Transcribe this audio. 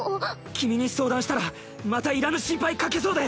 君に相談したらまたいらぬ心配かけそうで。